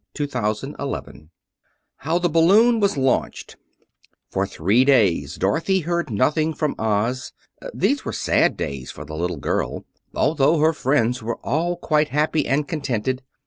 Chapter XVII How the Balloon Was Launched For three days Dorothy heard nothing from Oz. These were sad days for the little girl, although her friends were all quite happy and contented.